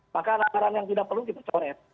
maka anggaran yang tidak perlu kita coret